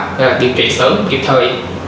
để điều trị sớm kịp thời